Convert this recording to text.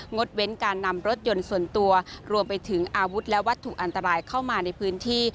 ดเว้นการนำรถยนต์ส่วนตัวรวมไปถึงอาวุธและวัตถุอันตรายเข้ามาในพื้นที่